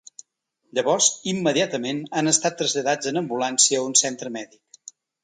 Llavors, immediatament han estat traslladats en ambulància a un centre mèdic.